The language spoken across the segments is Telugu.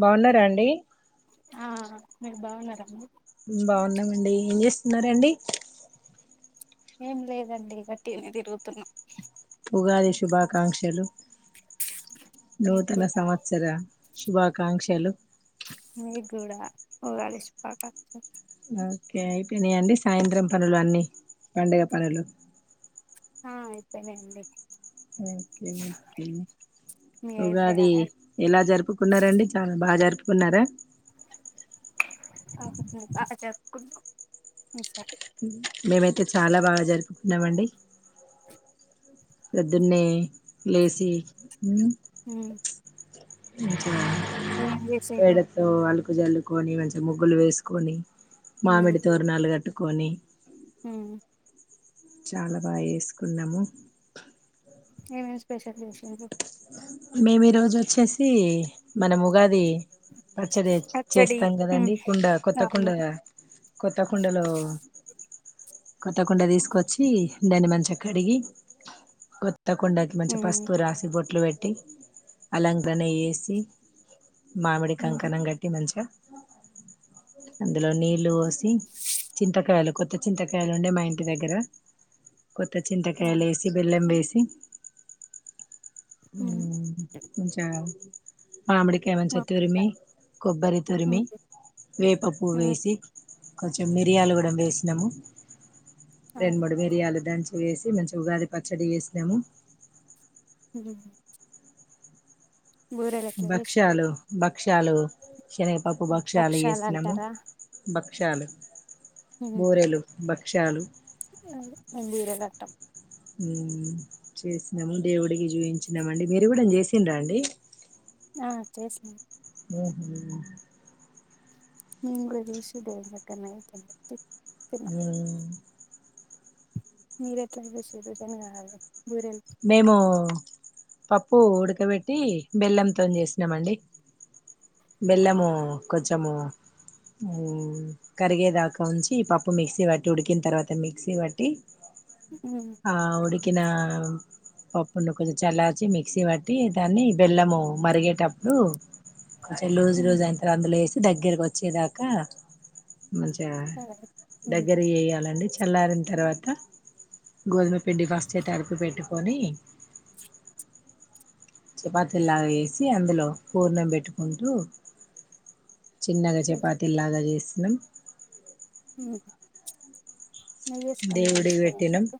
బావున్నారా అండి ఆ మీరు బావున్నారండి బాగున్నామండి ఏం చేస్తున్నారండి ఏం లేదండి వట్టిగనే తిరుగుతున్నాం ఉగాది శుభాకాంక్షలు మీకు నూతన కూడా సంవత్సర శుభాకాంక్షలు మీక్కూడా ఉగాది శుభాకాంక్షలు ఓకే అయిపోనాయండి సాయంత్రం పనులు అన్నీ పండుగ పనులు ఆ అయిపోయినాయి అండి. ఒకే ఒకే మీయి ఉగాది అయిపోయాయా ఎలా జరుపుకున్నారండి చాలా బాగా జరు ఉన్నారా జరుపుకున్నాం ఈసారి మేమ అయితే చాలా బాగా జరుపుకున్నామండి. [inaudible] పొద్దున్నే లేేసి అ [inaudible] ఎం చేసిర్రు అలుకు జల్లుకొని మంచిగా ముగ్గులు వేసుకొని ఉమ్ మామిడితోరనాలు కట్టు కొని ఉమ్ చాలా బాగా చేసుకున్నాము. ఏమేమి స్పెషల్ చేశిండ్లు మేమి ఈ రోజు వచ్చేసి మనం ఉగాది పచ్చడి పచ్చడి చేస్తాం ఉమ్ కదండి కుండ కొత్త కుండ అవును కొత్త కుండలో కొత్త కొండ తీసుకొచ్చి దాని మంచిగా కడిగి కొత్త కుండకి మంచిగా ఉమ్ పసుపు రాసి బో ట్లూ ట్ అలంకరణ చేసి మామిడి ఉమ్ కంకణం గట్టి మంచిగా అందులో నీళ్ళు పోసి చింతకాయలు కొత్త చింతకాయలు ఉండే మా ఇంటి దగ్గర కొత్త చింతకాయలు అవును వేసి బెల్లం వేసి త హు ఉమ్ ఉంచ మామిడికాయ మా మంచిగా తురిమి కొబ్బరి తురిమి ఉమ్ వేప పూవ్వ ఉమ్ వేసి కొంచెం మిరియాలు కూడా వేసినాము రెండు అవును మూడు మిరియాలు దంచి వేసి మంచి ఉగాది పచ్చడి చేసినాము హు చేసిండ్రు భక్షలూ బక్షాలు శనగపప్పు భక్షలు భక్షాలు చేస్తున్నాము అంటారా బ చాలు బూరెలు బక క్ష్యాలు మందిర ఘట్టం హు చేసినాము దేవుడికి చూపించినామండి మీరు కూడా చేసిండ్ర అండి ఆ చేసినం ఉహు నేను కూడా చేసి దేవుడు దగ్గర నైవేద్యం పెట్టీ హు మీరు ఎట్లా చేసిర్రు [unintelligible] మేము పప్పు ఉడకబెట్టి బెల్లంతోనీ చేసినామండి. అవునా బెల్లము కొంచము హు కరిగేదాకా ఉంచి పప్పు మిక్సీ పట్టి ఉడికిన తర్వాత మిక్సీ పట్టి ఆ ఉడి నా పప్పును కొంచెం చల్లార్చి మిక్సీ పట్టి దాన్ని బెల్లము మరిగేటప్పుడు కొంచం లూస్ లూస్ అయినంత అందులో వేసి దగ్గరకి వచ్చేదాకా మంచిగా సరే దగ్గర చేయాలండి చల్లారిన తర్వాత గోధుమ పిండి ఫస్ట్ తడిపి పెట్టు కొని చపాతీలాగా వేసి అందులో పూర్నం పెట్టుకుంటూ చిన్నగా చపాతిలాగా చేసి మ్ ఉహూ నెగేసుకొని దేవుడికి పెట్టినాం నడుస్తావెందుకు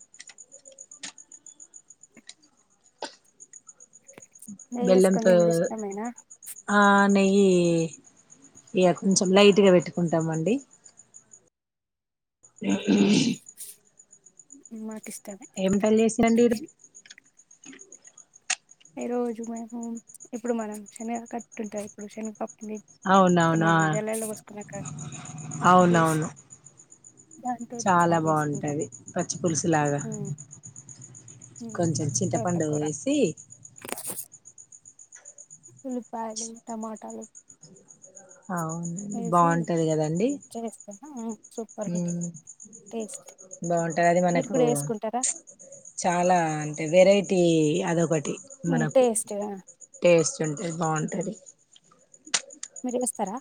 నెయ్యి బెల్లం వేసుకొని తో తినుడు ఇష్టమేనా ఆ నెయ్యి య కొంచెం లైట్ గ పెట్టుకుంటామండి. పరుగి మాకిస్ ఏమిటల్ చేస్సిరండి ఈ రోజు ఈ రోజు మేము ఇప్పుడు మనం శనగ కట్టుంటది ఇప్పుడు శన్. పప్ని అవునవునా మనం జొల్లోల్లస్కునేక జూస్. అవునవును చాలా బాంటది పచ్చి పులుసు లాగ కొంచెం చింతపండు తోటకూర వేసి. ఉల్లిపాయలు టమాటాలు. అవ్నండి వేసి బాంటది కదండి చేస్తాను సూపర్ ఉంటుంది ఉమ్ టేస్ట్ బాంటదది మీరు మనకు కూడా వేసుకుంటారా చాలా అంటే వెరై. టీ అదొగ టి హ్మ్. మనకు టేస్ట్ టేస్టుంటే బాంటది మీర్ జేస్తరా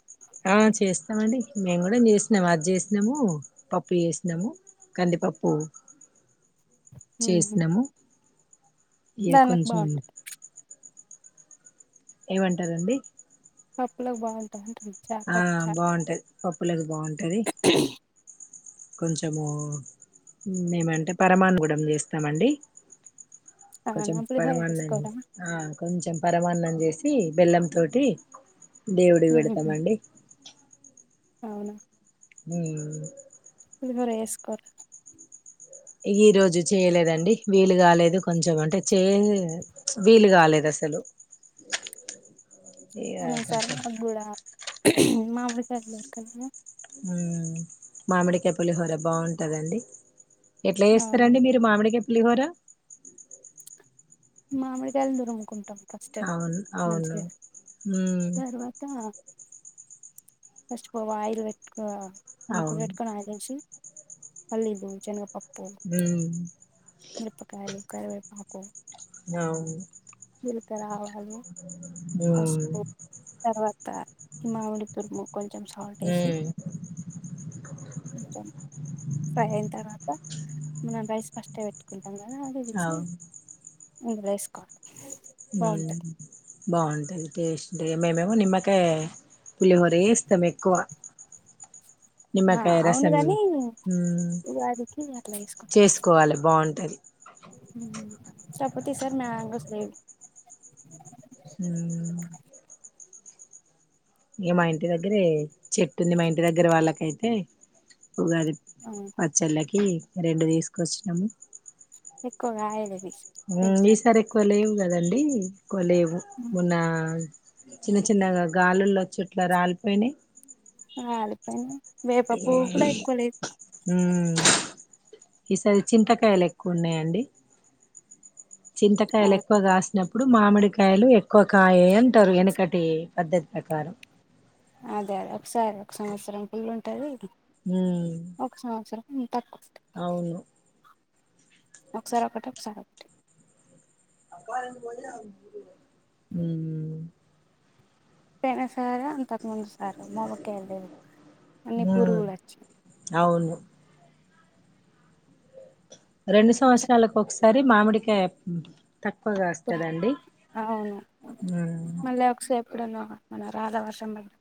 ఆ చేస్తమండి మేమ్ గూడా జేస్నము అజ్ జేస్నము పప్పు జేస్నము కందిపప్పు. హుహు. చేస్నము ఇగ దానిలోకి కొంచెం. బావుంటది. ఏమంటారండి. పప్పులకు బాగుంటదంటున్నా ఆ బాంటది పప్పులొకి బాంటది. కొంచెము మేమంటే పరమాన్ గుడం చేస్తామండి. కొంచెం అవునా! పులిహోర పరమాన్నం చేసుకోరా? ఆ కొంచెం పరమాన్నం జేసి బెల్లంతోటి దేవుడుకి వెడ్ మండి ఔనా హుమ్ పులిహోర జేస్కోర ఈ రోజు చేయలేదండి వీలు గాలేదు కొంచెం అంటె చేంజ్ వీలు గాలేదస్సలు. ఔన్ సార్ మాగ్గూడా మామిడికాయ్ ల్లూరగాయ ఉమ్ మామిడికాయ్ పులిహోర బాగుంటదండి. ఎట్ల అవునా! జేస్తరండి మీరు మామిడికాయ్ ప్ పులిహోర మామిడికాయల్ని దురుముకుంటాం ఫస్ట్ అవును అవును మంచిగా. ఊ తర్వాత ఫస్ట్ పోవా ఆయిల్ వె ముక్కు అవును పెట్టుకొని ఆయిల్ ఏసి పల్లీలు చెనగపప్ ఉ కరివేపాకు అవును జీలకర్ర ఆవాలు ఉమ్ పసుపు ఉమ్ తర్వా త మామిడి తురుము కొంచెం సాల్ట్ ఏసి కొంచం ఫ్రై అయిన తర్వాత మనం రైస్ ఫస్టే పెట్టుకుం ము [inaudible] ఇంగ రైస్ కో హు బాగుంటది టేస్ట్ మేమేమో నిమ్మకాయ పులిహోర ఏస్తాము ఎక్కువ ఆ నిమ్మకాయ అవును రసం కాని ఉగాదికి అట్లా చేసుకోవాలి బాగుంటది తప్పతు ఈ సారి మ్యాంగోస్ లేవు ఉ ఇగ మా ఇంటి దగ్గరే చెట్టుంది మా ఇంటి దగ్గర వాళ్ళకైతే ఉగాది ఆ, పచ్చళ్ళకి రెండు తీసుకొచ్చినామ్ ఎక్కువగాయలది ఉ ఈసారి ఎక్కువ లేవు కదండి కొలేవు మొన్నా చిన్న చిన్నగా గాలుల్లొచ్చు ఇట్లా రాలిపోయినాయ్ ఆ అదిపైన వేప పువ్వు కూడా ఎక్కువ లేదు ఉమ్ ఈసారి చింతకాయలు ఎక్కువ ఉన్నాయండి ఆ, చింతకాయలు ఎక్కువగాస్ నప్పుడు మామిడికాయలు ఎక్కువ కాయే అంటారు ఎనకటి పద్ధతి ప్రకారం అదే అదే ఒకసారి ఒక సంవత్సరం ఫుల్ ఉంటది హ్మ్ ఉమ్ తక్కు అవును ఒకసారి ఒకటి ఒకసారి ఒకటి హ్మ్ పెహసారా అంతకుముందు సారి మామిడికాయల్లేవు అన్ని ఉమ్ పురుగులు వచ్చాయి అవును రెండు ఒకసారి సంవత్సరాలకు ఒకసారి అది మామిడికాయ తక్కువ కాస్తదండి ఆ అవును ఉమ్ మళ్ళీ ఒకసేపు ఇప్పుడున్నావా మన రాధా వర్షం పడి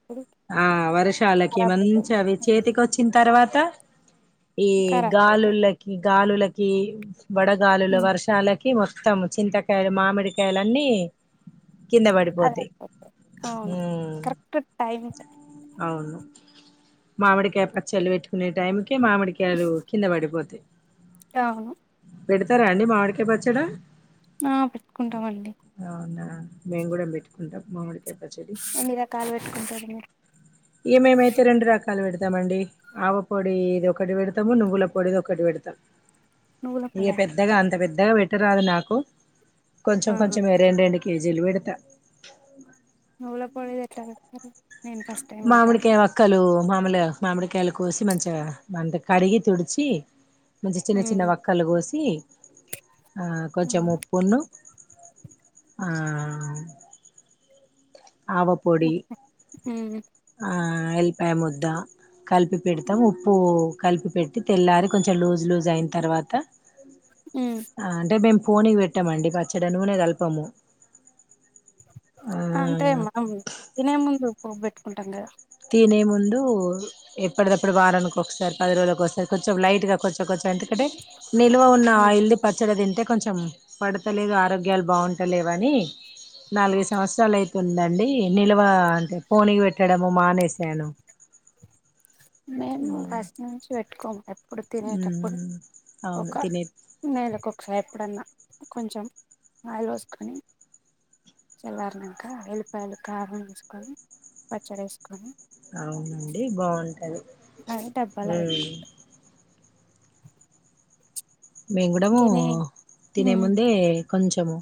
ఆ వర్షాలకి మంచి అవి చేతికి వచ్చిన తర్వాత ఈ కరాబ్ అయితాయి గాలులకి గాలుల కీ వడగాలులో వర్షాల కి మొత్తం చింతకాయలు, మామిడికాయలు అన్నీ కింద అదే పడిపోతేయ్ అవును హ్మ్ కరెక్ట్ టైం అవును మామిడికాయ పచ్చళ్ళు పెట్టు కొనే టైంకి మామిడికాయలు కింద పడిపోతాయి అవును పెడతరా అండి మామిడికాయ్ పచ్చడ ఆ పెట్టుకుంటామండి అవునా మేము కూడా పెట్టుకుంటాం మామిడి ఎన్ని రకాలు పెట్టుకు ఏమేమైతే రెండు రక కాలు పెడతామండి ఆవ పొడి ఇది ఒకటి పెడతము నువ్వుల పొడిది ఒకటి పెడత నువ్వుల ఇక పొడా పెద్దగా అంత పెద్ద ద్దగా పెట్టరాదు నాకు కొంచెం ఆహా కొంచెం వేరే ఎండేయండి కేజేలు పెడత నువ్వుల పొడిది ఎట్లా పెడతరు మామిడికాయ వక్కలు మాముల మామిడికాయలు కోసి మంచిగా మంట కడిగి తుడిచి మంచి చిన్న చిన్న ఉమ్. వక్కలు కోసి ఆ కొంచెం అవును. ఉప్పున్ను ఆ ఆవపొడి ఉమ్. ఆ ఎల్లిపాయ ముద్ద కలిపి పెడతాం ఉప్పు కలిపి పెట్టి తెల్లారి కొంచెం లూజ్ లూజ్ అయిన తర్వాత ఉమ్. ఆ అంటే మేము పోనీ పెట్టామండి పచ్చడి నూనె కలపము ఆ అంటే మనం తినే ముందు పోపు పెట్టుకుంటాంగదా తినే ముందు ఎప్పటిదప్పుడు వారానికి ఒకసారి పది రోజులకి ఒకసారి కొంచెం లైట్ గా కొంచెం కొంచెం అంటే నిల్వ ఉన్న ఉమ్. ఆయిల్ది పచ్చడి తింటే కొంచెం పడతలేదు ఆరోగ్యాలు బాగుంటలేవని నాలుగైదు సంవత్సరాలు అయితుందండి నిల్వ అంటే పోని పెట్టడం ఓ మానేశాను మేము ఫస్ట్ నుంచి పెట్టుకోము ఇప్పుడు తినేటప్పుడు ఉమ్ అవును ఒక తినే నెలకు ఒకసారి ఎప్పుడన్నా కొంచెం ఆయిల్ పోసుకొని చల్లారీనంక ఎల్లిపాయలు కారం వేసుకొని పచ్చడి వేసుకొని అవునండి బాగుంటది అది డబ్బాలా పెట్టుకుంటాం మేం కూడాము ఇంకేనే తినే ముందే కొంచెము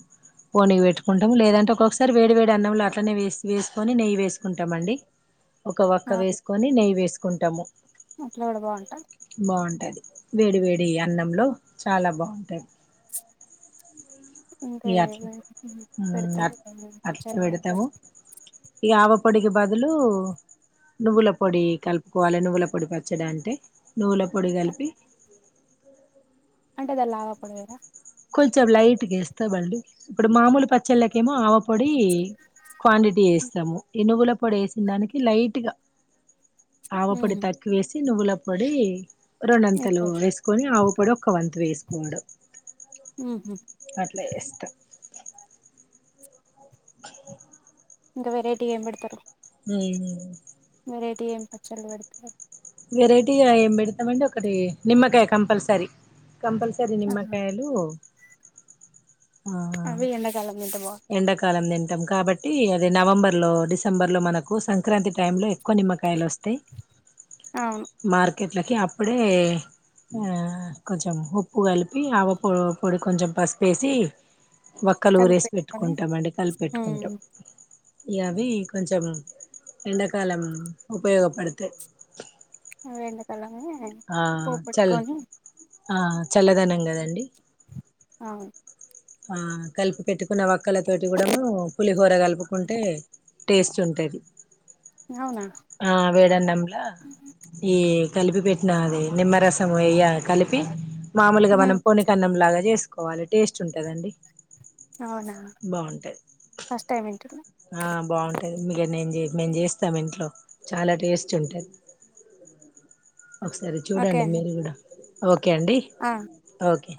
పోని పెట్టుకుంటాము లేదంటే ఒక్కొక్కసారి వేడి వేడి అన్నంలో అట్లనే వేసి వేసుకొని నెయ్యి వేసుకుంటామండి ఒక వక్క అవును వేసుకొని నెయ్యి వేసు కుంటాము అట్లా కూడా బాగుంటా ఉంటది వేడి వేడి అన్నంలో చాలా బాగుంటాది ఇంకా ఏ ఉమ్ పెడతారు అట్ పచ్చలు పెడతారు పొడికి బదులు నువ్వుల పొడి కలుపుకోవాలి నువ్వుల పొడి పచ్చడి అంటే నువ్వుల పొడి కలిపి అంటే దాంట్ల ఆవపొడి పోయారా కొంచెం లైట్ వేస్తామండి ఇప్పుడు మామూలు పచ్చళ్ళకు ఏమో ఆవ పొడి క్వాంటిటీ ఎస్ స్తము ఇనుగుల పొడి వేసిన దానికి లైట్గా ఆవపొడి ఉహు తక్కువ వేసి నువ్వుల పొడి రొండంతలు ఎక్కువ వేసుకొని ఆవపొడి ఒక్క వంతు వేసుకోవడం ఉహు అట్లా ఎస్తాం [inaudible] ఇంకా వెరైటీి ఏం పెడతారు ఉమ్ రేడి ఏం పచ్చలు పెడతారు వెరైటీగా ఏం పెడతామండి ఒకటి నిమ్మకాయ కంపల్సరీ కంపల్సరి ఆహా నిమ్మకాయలు ఆ అవి ఎండాకాలం తింటే బాగుంటాయి ఎండకాలం ని కాబట్టి అది నవంబర్ లో డిసెంబర్ లో మనకు సంక్రాంతి టైంలో ఎక్కువ నిమ్మకాయలు వస్తాయి అవును కట్లకి అప్పుడే కొంచెం ఉప్పు కలిపి ఆవొ పొడి కొంచెం పసుపేసి ఒక్కలు కలిపి ఊరేసి పెట్టుకొని పెట్టుకుంటాం అండి కలిపిపెట్టుకుంటాం ఉమ్ ఇవి అవి కొంచం ఎండకాలం ఉపయోగపడతాయ్ అవునండి ఆ చల్ ఆ చల్లదనం కదండి అవును ఆ కలిపి పెట్టు కున్న ఒక్కలతోటి కూడా ము పులిహోర కలుపుకుంటే టేస్ట్ ఉంటుంది అవునా వేడన్నంలా ఈ కలిపి పెట్టిన అది నిమ్మరసం వయ్య కలిపి మామలుగా మనం ఉమ్ పొనికన్నంలాగా చేసుం క్వాలి టేస్ట్ ఎంత ఉంటాదండి అవునా ఫస్ట్ టైమ్ వింటున్న ఆ బాగుంటాది మీక నే మేము చేస్తాం ఇంట్లో చాలా టేస్ట్ ఉంటుది ఒకసారి ఓకే చూడండి అండి మీరు కూడా ఓక ఓకే అండి ఆ ఓకే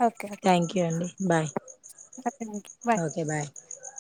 థ్యాంక్ యూ అండి బాయ్ థాంక్యూ బాయ్